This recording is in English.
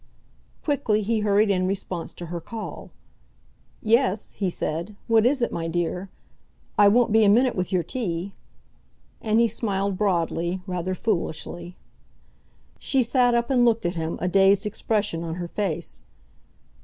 Quickly he hurried in response to her call. "Yes," he said. "What is it, my dear? I won't be a minute with your tea." And he smiled broadly, rather foolishly. She sat up and looked at him, a dazed expression on her face.